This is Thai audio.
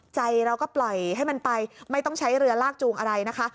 ใจเราก็ปล่อยให้มันไปไม่ต้องใช้เรือลากจูงอะไรนะคะ